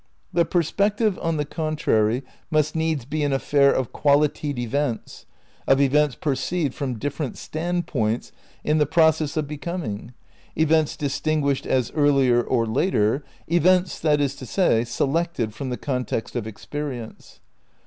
The perspec tive, on the contrary, must needs be an affair of "qualitied events," of events perceived from different standpoints in the process of becoming, events distin guished as earlier or later, events, that is to say, selected from the context of experience.